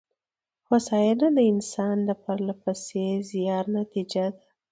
هوساینه د انسان د پرله پسې زیار نتېجه ده.